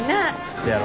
せやろ。